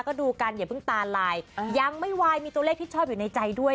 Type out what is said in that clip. ก็ดูกันอย่าเพิ่งตาลายยังไม่วายมีตัวเลขที่ชอบอยู่ในใจด้วย